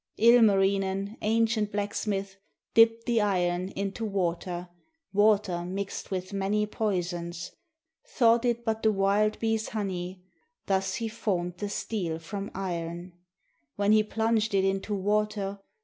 Ilmarinen, ancient blacksmith. Dipped the iron into water, Water mixed with many poisons, Thought it but the wild bee's honey; Thus he formed the steel from iron. When he plunged it into water.